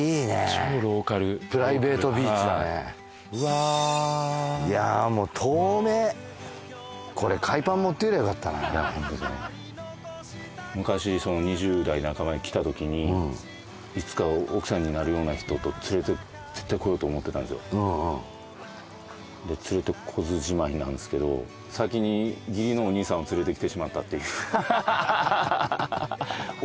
超ローカルプライベートビーチだねうわやもう透明これ海パン持ってくりゃよかったないつか奥さんになるような人と絶対来ようと思ってたんですよで連れてこずじまいなんですけど先に義理のお兄さんを連れてきてしまったっていう俺？